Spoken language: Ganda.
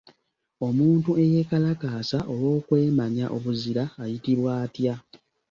Omuntu eyeekalakaasa olw’okwemanya obuzira ayitibwa atya?